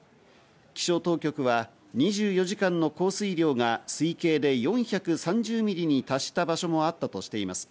気象当局は２４時間の降水量が推計で４３０ミリに達した場所もあったとしています。